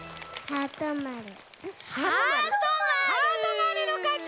ハートまるのかち！